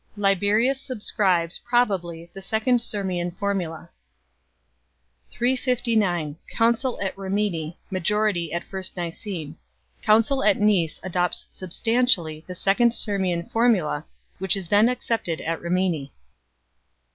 Liberius subscribes (probably) the Second Sirmian Formula. 359 Council at Rimini ; majority at first Nicene. Council at Nice (NtV^) adopts substantially the Second Sirmian Formula, which is then accepted at Rimini.